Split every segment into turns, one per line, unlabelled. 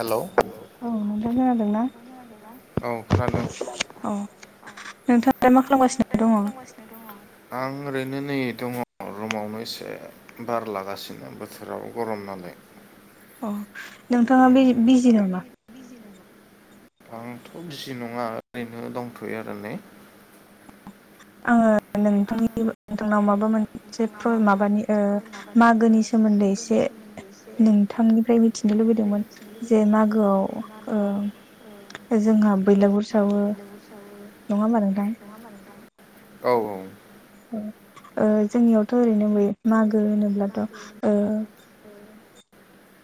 हेल'
औ नोंथां खोनादोंना औ नोंथाङाय मा खालामगासिनो दङ
आं ओरैनो नै दङ रुमावनो एसे बार लागासिनो बोथोराव गरम नालाय।
अ नोंथाङा बिजि बिजि दं नामा?
आंथ' बिजि नङा ओरैनो दंथ'यो आरो ने।
आङो नोंथांनि नोंथांनाव माबा मोन [unintelligible] माबानि मागोनि सोमोन्दै एसे नोंथांनिफ्राय मिथि नो लुबैदोंमोन जे मागोआव ओ जोंहा बैलागुर सावो नङा होमबा नोंथां।
औ औ
ओ ओ जोंनियावथ' ओरैनो बै मागो होनोब्लाथ' ओ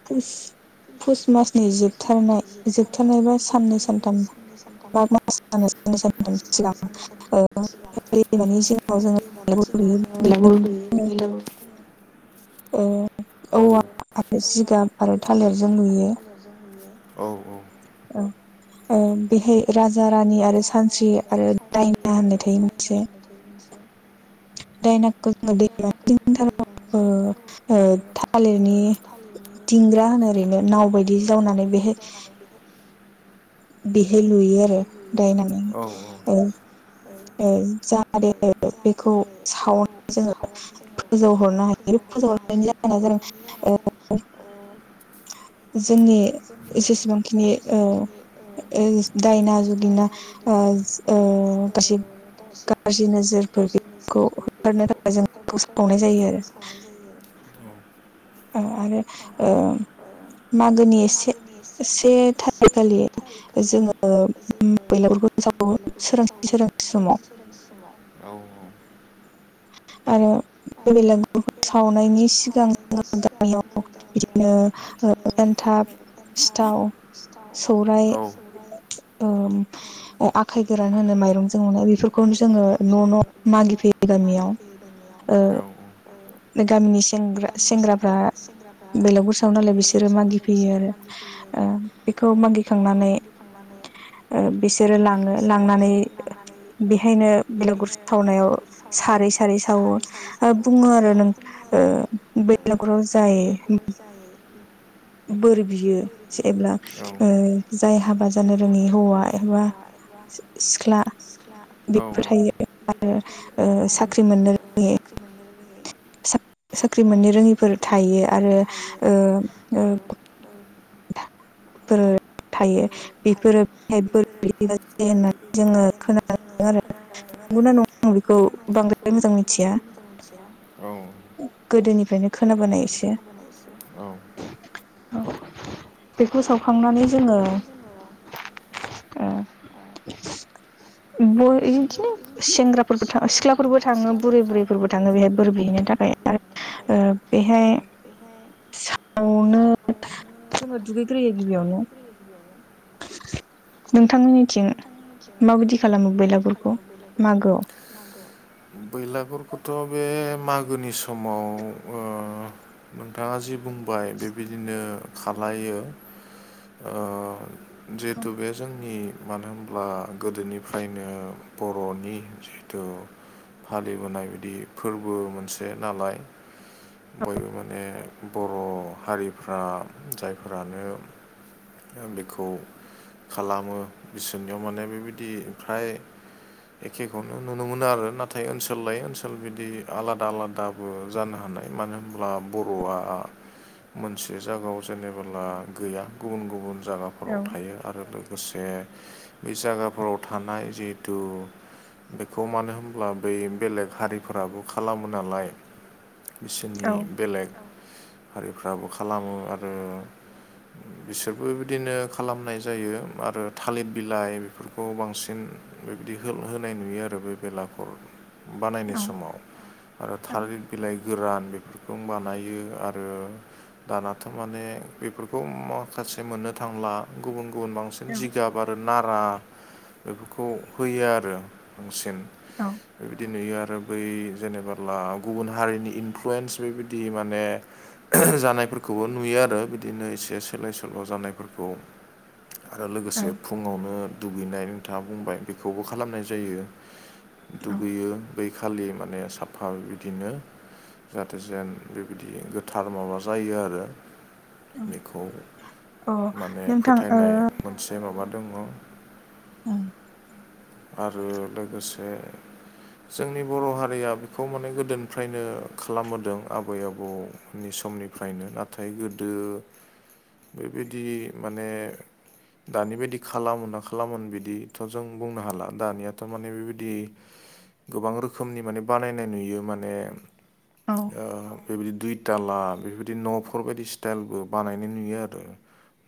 पुस मासनि जि [inaudible] जोबथारनाय जोबथारनायबा साननै सानथाम माग मास सानन सानथाम सिगां [unintelligible] औवा आरो जिगाब
ग औ औ
औ बेहाय राजा रानि आरो सानस्रि आरो दायना होननाय थायो मोनसे
बिदिनोसै
दायनाखौ जोङो दैथ थालिरनि दिंग्रा होनो ओरैनो नाव बायदि जावनानै बेहाय बेहाय लुयो आरो दायनानै औ जाहाथे बेखौ सावनानै जोङो फजौ [unintelligible] हरनो हायो फो हर जोना ज [unintelligible] जोंनि जेसेबांखिनि ओ- ओ- दायना जुगिना ओ- आ कसे
गाज्रिनि जेरलखौ इन्टारनो थाखाय जोंखौ [inaudible] गनाय जायो
आरो ओ- मागोनि से से थारिखालि जोङो बेलगुरखौ [unintelligible]
गोरला गफोरल जावो सोरोंसि सों समाव औ औ-
आरो बे बेलेग सावनायनि सिगां गामियाव बिदिनो [unintelligible]
बिदिनो सिथाव औ- संबाय आरो आखाइ गान होनो माइरंफोर ननाय बेफोरखौ जोङो न' [inaudible] मागिफैयो दोंनाययाव
द गामिनि सेंग्राफ्रा बेलेगगुर सायाव नालाय बिसोरो मागिफैयो आरो ओ- बेखौ मागिखांनानै ओ- बिसोरो लाङो लांनानै बेहायनो बिलागुर सावनायाव सारै सारै सावो ओ- बुङो आरो ओ- नों बेैलागराव जायो बोर बियो जब्ला ओ- जाय हाबा जानो रोङि हौवा एबा सिख्ला बेफोर थायो आरो साख्रि मोननो रोङै [unintelligible]
स्रिमन्द गनो
साख्रि मोननो रोङिफोर थायो आरो ओ- ओ- फोर थायो बेफोरो [unintelligible] नंगौना नङा आं बेखौ बांद्राय मोजां मिथिया।
औ। गोदोनिफ्रायनो खामाबोनसै औ।
बेखौ सावखांनानै जोङो बय बिदिनो सेंग्राफोरबो थाङ सिख्लाफोरबो थाङो बुरै बुरैफोरबो थाङो बेहाय बोर बिहैनो थाखाय आरो ओ- [unintelligible] बेहाय फि सायावनो जोङो दुगैग्रोयो गगबियावनो नोंथांनिनिथिं माबायदि खालामो बेैलागुरखौ मागोआव
बैलागुरखौथ' बे मागोनि समाव ओ- नोंथाङा जि बुं बाय बेबायदिनो खालो ओ- जिहेथु बे जोंनि मानो होनब्ला गोदोनि ओमफ्रायनो बर'नि जिथु फालिबोनाय बिदि फोरबो मोनसे नालाय बयबो माने बर' हारिफ्रा जायफोरानो ओमफ्राय आं बेखौ खालामो बिसोरनियाव माने बेबायदि फ्राय एखेखौनो नुनो मोनो आरो नाथाय ओनसोल लायै ओनसोल बिदि आलादा आलादा बो जानो हानाय मानो होनब्ला बर'आ मोनसे जायगायाव जेनेबोला गैया गुबुन गुबुन जागा फोराव थायो आरो लोगोसे बै जगाफोराव थानाय जिहेतु बेखौ मानो होनब्ला बै बेलेग हारिफोराबो खालामो नालाय बिसोरनि बेलेग हारिफ्राबो खालामो आरो बिसोरबो बिदिनो खालामनाय जायो आरो थालिर बिलाइ बेफोरखौ बांसिन बांसिन बेबायदि होनाय नुयो आरो बे बेलागर बानायनाय समाव आरो थालिर बिलाइ गोरान बेफोरखौनो बानायो आरो दानाथ' माने बेफोरखौ माखासे मोननो थांला गुबुन गुबुन बांसिन जिगाब आरो नारा बेफोरखौ होयो आरो बांसिन
औ।
बेबायदि नुयो आरो बै जेनेबोला गुबुन हारिनि इनफ्लुयेन्स बेबायदि माने जानायफोरखौबो नुयो आरो बिदिनो एसे सोलाय सोल' जानायफोरखौ आरो लोगोसे फुङावनो दुगैनाय नोंथाङा बुंबाय बेखौबो खालामनाय जायो। दुगैयो बै खालि माने साफा बिदिनो जाहाथे जेन बेबायदि गोथार माबा जायो आरो। बेखौ माने फोथायनाय मोनसे माबा दङ'
उम।
आरो लोगोसे जोंनि बर' हारिया बेखौ माने गोदोनिफ्रायनो खालाबोदों आबै आबौ नि समनिफ्रायनो नाथाय गोदो बेबायदि माने दानि बायदि खालामोना खालामोन बिदि बिदिथ' जों बुंनो हाला दानियाथ' माने बेबायदि गोबां रोखोमनि माने बानायनाय नुयो माने ओ बेबायदि दुइथाला बेफोरबायदि न'फोर बायदि स्टाइलबो बानायनाय नुयो आरो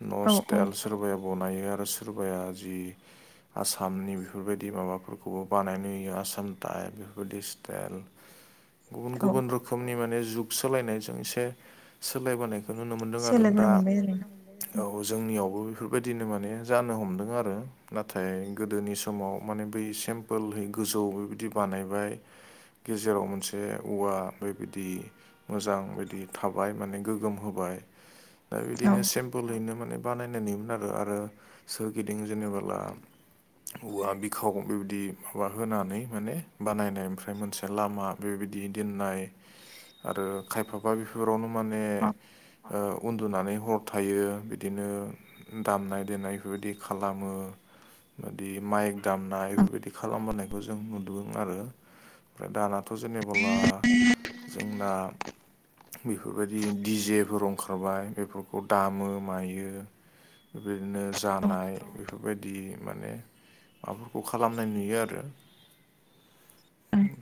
न' स्टाइल सोरबाया बनायो आरो सोरबाया जि आसामनि बेफोरबायदि माबाफोरखौबो बानायनो होयो आसाम टाइप बेफोरबायदि स्टाइल गुबुन गुबुन रोखोमनि माने जुग सोलायनायजों एसे सोलायबोनायखौ बेखौ नुनो मोन्दों आरो नोंथां। औ जोंनियावबो बेफोरबायदिनो माने जानो हमदों आरो ना नाथाय गोदोनि समाव माने बै सिम्पोलै गोजौ बेबायदि बानायबाय गेजेराव मोनसे औवा बेबायदि मोजां बिदि थाबाय माने गोगोम होबाय दा बिदिनो सिम्पोलैनो माने बानाय नुयोमोन आरो आरो सोरगिदिं जेनेबोला औवा बिखाव बेबायदि माबा होनानै माने बानायनाय ओमफ्राय मोनसे लामा बेबायदि दोननाय आरो खायफाबा बेफोरावनो माने ओ उन्दुनानै हर थायो बिदिनो दामनाय देनाय बेफोरबायदि खालामो। बेफोर बायदि माइक दामनाय बेफोरबायदि खालामबोनायखौ जों नुदोंदों आरो ओमफ्राय दाना थ' जेनेबोला जोंना बेफोरबायदि डि जे फोर ओंखारबाय बेफोरखौ दामो मायो बायदिनो जानाय बेफोरबायदि माने माबाफोरखौ खालामनाय नुयो आरो।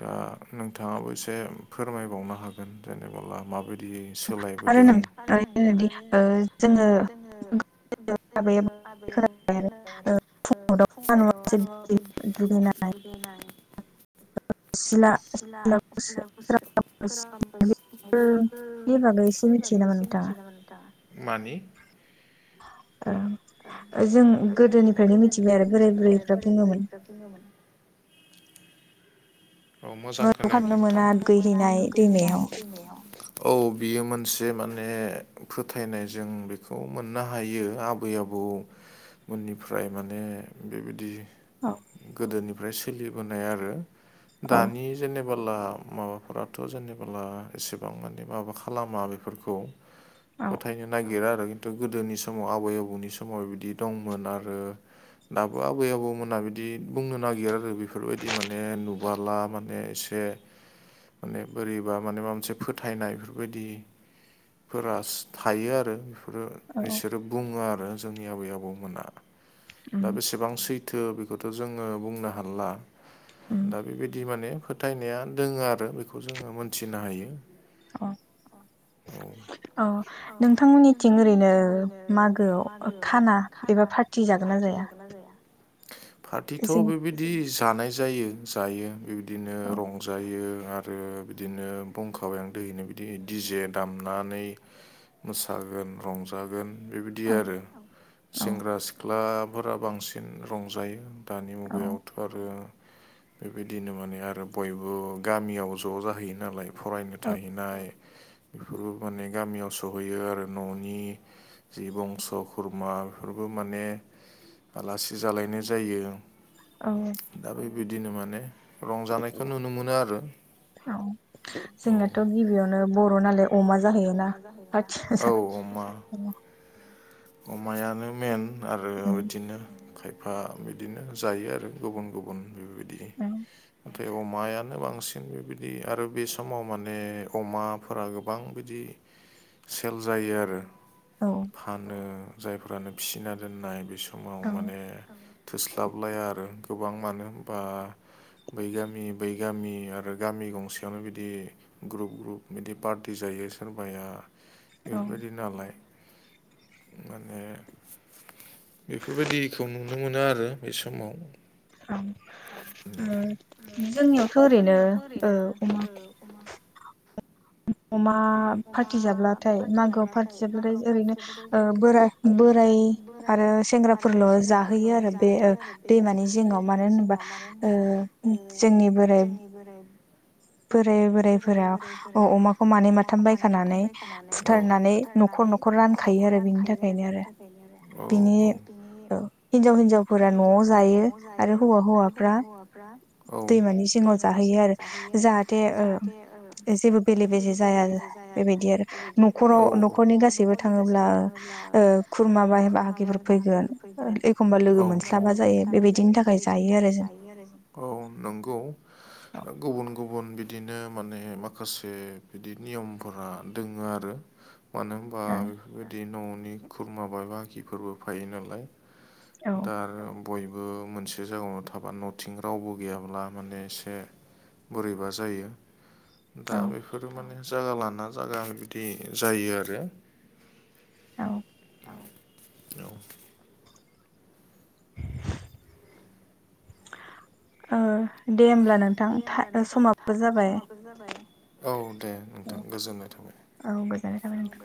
दा नोंथाङाबो एसे फोरमायबावनो हागोन जेनेबोला माबायदियै सोलायबोदों आरो नोंथां जोङो [inaudible] सिला सिला गुस आराम बस बे
मिथियो नामा नोंथाङा?
मानि?
जों गोदोनिफ्रायनो मिथिबाय आरो बोराय बुरैफ्रा बुङोमोन।
[inaudible] औ मोजां खोनायाखै नोंथां। औ बियो मोनसे माने फोथायनाय जों बेखौ मोननो हायो आबै आबौमोननि फ्राय माने बेबायदि
औ
गोदोनिफ्राय सोलिबोनाय आरो दानि जेनेबोला माबाफोराथ' जेनेबला एसेबां मानि माबा खालामा बेफोरखौ।
[inaudible]
फोथायनो नागिरो आरो खिन्थु गोदोनि समाव आबै आबौनि समाव बिदि दंमोन आरो आरो दाबो आबै आबौमोना बिदि बुंनो नागिर आरो बेफोरबायदि माने नु वाला माने एसे माने बोरैबा माने माबा मोनसे फोथायनाय बेफोरबायदि फोरास थायो आरो बेफोरो बिसोरो बुङो आरो जोंनि आबै आबौमोना। दा बेसेबां सैथो बेखौथ' जोङो बुंनो हाला दा बेबायदि माने फोथायनाया दोङो आरो बेखौ जोङो मोनथिनो हायो।
अह। अ नोंथांमोननिथिं ओरैनो मागोआव खाना एबा पारटी
पार्टिथ' बेबा दि जानाय जायो जायो बेबायदिनो रंजायो आरो आरो बिदिनो बुंखाबाय आं दैहैनो बिदि जे दामनानै मोसागोन रंजागोन बेबायदि आरो सेंग्रा सिख्लाफोरा बांसिन रंजायो। दानि मुगायावथ' आरो बेबायदिनो माने आरो बयबो गामियाव ज' जाहैयो नालाय फरायनो थाहैनाय बेफोरबो माने गामियाव सहैयो आरो न'नि जि बंस' खुरमा बेफोरबो माने आलासि जालायनाय जायो
औ
दा बेबायदिनो माने रंजानायखौ नुनो मोनो आरो
औ जोंनाथ' गिबियावनो बर' नालाय अमा जाहैयोना
औ अमा
[inaudible]
अमायानो मेन आरो बिदिनो खायफा बिदिनो जायो आरो गुबुन गुबुन गुबन बेबायदि नाथाय अमायानो बांसिन बेबायदि आरो बे समाव माने अमाफोरा गोबां बिदि सेल जायो आरो फानो जायफ्रानो फिसिना दोननाय बे समाव माने थोस्लाबलाया आरो गोबां मानो होनबा बै गामि बै गामि आरो गामि गंसेयावनो बिदि ग्रुप ग्रुप बिदि बार्डे जायो सोरबाया बेफोरबायदि नालाय माने बेफोरबायदिखौ नुनो मोनो आरो बे समाव
औ जोंनियावथ' ओरैनो अमा अमा पार्टि जाब्लाथाय मागोआव पार्टि जाब्लाथाय ओरैनो ओ बोरा बोराय आरो सेंग्राफोरल' जाहोयो आरो बे दैमानि जिङाव मानो होनोबा ओ जोंनि बोराइ बोराय बोरायफोरा अमाखौ मानै माथाम बायखानानै फुथारनानै न'खर न'ख
न'खर न'खर रानखायो आरो बेनि थाखायनो
बिनि हिनजाव हिनजावफोरा न'आव जायो आरो हौवा हौवाफ्रा दैमानि जिङाव जाहैयो आरो जाहाथे ओ जेबो बेले बेजे जाया बेबायदि आरो न'खराव न'खरनि गासैबो थाङोब्ला ओ खुरमा बाह बाहागिफोर फैगोन एखम
औ लोगो मोनस्लाबा जायो बेबायदिनि थाखाय जायो आरो औ नंगौ गुबुन गुबुन बिदिनो माने माखासे बिदि नियमफोरा दोङो आरो मानो होनबा बेफोरबायदि न'नि खुरमा बाय बाहागिफोरबो फैयो नालाय दा बयबो मोनसे जायगायावनो थाबा न'थिं रावबो गैयाब्ला माने एसे बोरैबा जायो दा बेफोरो माने जायगा लाना जायागा बिदि जायो आरो
औ
औ
आ दे होमब्ला नोंथां समाबो जाबाय
जाब औ दे नोंथां गोजोननाय थाबाय
औ गोजोननाय थाबाय नोंथां